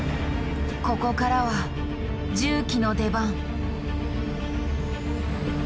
ここからは重機の出番。